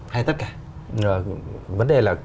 hay tất cả vấn đề là